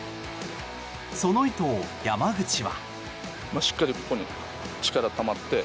その意図を山口は。